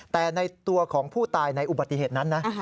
แต่ในตัวของผู้ตายในอุบัติเหตุนั้นนะ